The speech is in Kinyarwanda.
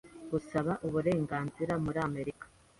Gusaba uburenganzira muri amerika